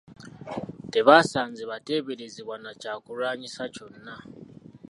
Tebaasanze bateeberezebwa na kyakulwanyisa kyonna.